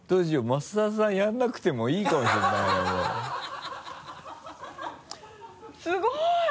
増田さんやらなくてもいいかもしれないなすごい！